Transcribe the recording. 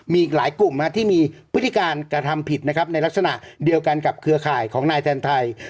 มีอีกหลายกลุ่มที่มีพฤติการกระทำผิดนะครับในลักษณะเดียวกันกับเครือข่ายของนายแทนไทย